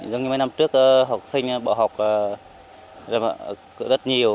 giống như mấy năm trước học sinh bỏ học rất nhiều